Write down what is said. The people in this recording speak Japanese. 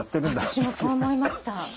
私もそう思いました。